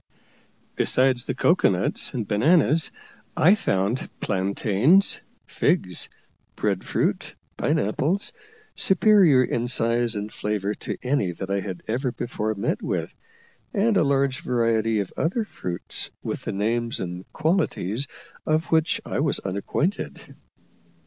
Besides the cocoa nuts and bananas, I found plantains, figs, bread fruit, pine apples, superior in size and flavour to any that I had ever before met with, and a large variety of other fruits with the names and qualities of which I was unacquainted.